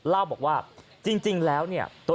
เล่าบอกว่าจริงแล้วเนี่ย